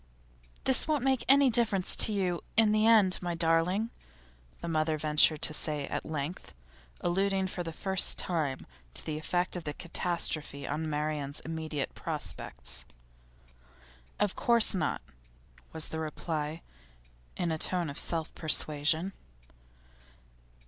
'This won't make any difference to you in the end, my darling,' the mother ventured to say at length, alluding for the first time to the effect of the catastrophe on Marian's immediate prospects. 'Of course not,' was the reply, in a tone of self persuasion.